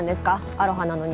アロハなのに。